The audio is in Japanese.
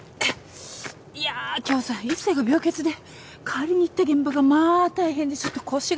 いやあ今日さ一星が病欠で代わりに行った現場がまあ大変でちょっと腰が。